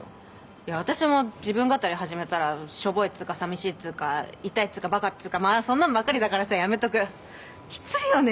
いや私も自分語り始めたらしょぼいっつうかさみしいっつうかイタいっつうかバカっつうかまあそんなんばっかりだからさやめとくきついよね